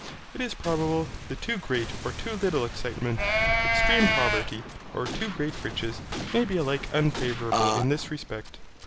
It is probable, that too great or too little excitement, extreme poverty, or too great riches may be alike unfavourable in this respect.